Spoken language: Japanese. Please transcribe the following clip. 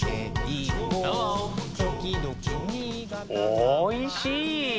おいしい。